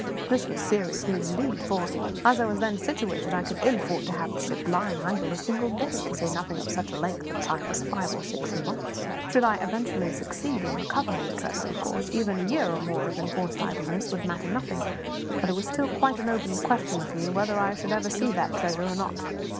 This was serious news indeed; for, as I was then situated, I could ill afford to have the ship lying idle a single day, to say nothing of such a length of time as five or six months. Should I eventually succeed in recovering the treasure, of course even a year or more of enforced idleness would matter nothing; but it was still quite an open question with me whether I should ever see that treasure or not.